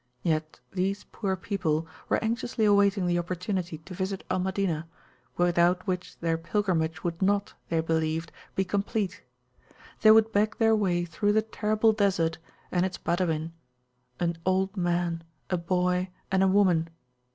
Yet these poor people were anxiously awaiting the opportunity to visit Al Madinah, without which their pilgrimage would not, they believed, be complete. They would beg their way through the terrible Desert and its Badawinan old man, a boy, and a woman!